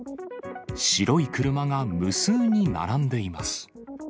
白い車が無数に並んでいます。